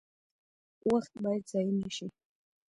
وخت باید ضایع نشي